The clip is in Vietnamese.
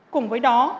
cùng với đó